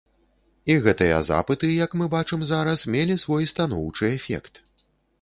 І гэтыя запыты, як мы бачым зараз, мелі свой станоўчы эфект.